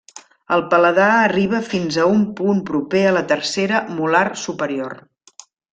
El paladar arriba fins a un punt proper a la tercera molar superior.